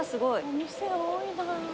お店多いな。